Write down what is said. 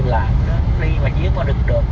là khi mà giết mà được được